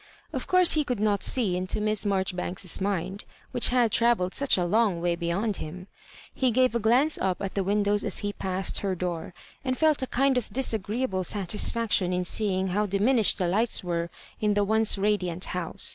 Of course he could not see into Miss Marjohbanks's mind, which had trayelled such a long way beyond him. He gaye a glance up at tiie windows as he passed her door, and felt a kind of disagreeable satis faction in seeing how diminished the lights were in the once radiant house.